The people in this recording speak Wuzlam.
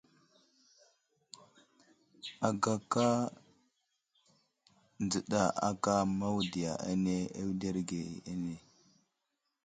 Agaka dzəka aka mawudiya ane awuderge ane .